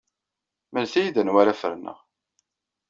Mlet-iyi-d anwa ara ferneɣ.